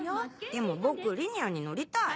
でも僕リニアに乗りたい！